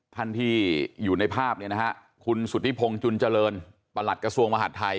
ท่านที่อยู่ในภาพเนี่ยนะฮะคุณสุธิพงศ์จุนเจริญประหลัดกระทรวงมหาดไทย